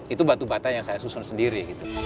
itu batu bata yang saya susun sendiri